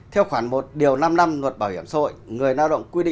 theo khoản một năm mươi năm luật bảo hiểm xã hội